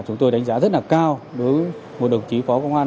chúng tôi đánh giá rất là cao đối với một đồng chí phó công an